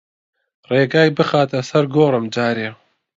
ڕێگای بخاتە سەر گۆڕم جارێ